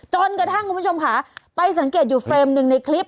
จนกระทั่งคุณผู้ชมค่ะไปสังเกตอยู่เฟรมหนึ่งในคลิป